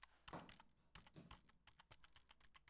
Taarifa ya jeshi la jamhuri ya kidemokrasia ya Kongo